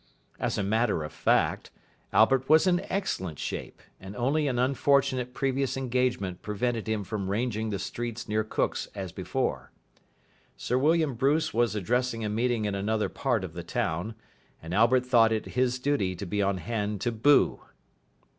As a matter of fact, Albert was in excellent shape, and only an unfortunate previous engagement prevented him from ranging the streets near Cook's as before. Sir William Bruce was addressing a meeting in another part of the town, and Albert thought it his duty to be on hand to boo.